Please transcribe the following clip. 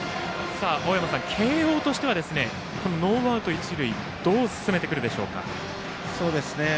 青山さん、慶応としてはノーアウト一塁どう攻めてくるでしょうか。